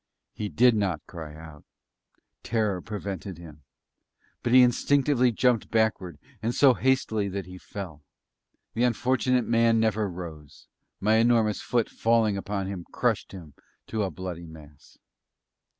He did not cry out terror prevented him; but he instinctively jumped backward, and so hastily that he fell.... The unfortunate man never rose; my enormous foot falling upon him crushed him to a bloody mass.